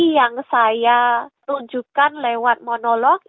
yang saya tunjukkan lewat monolog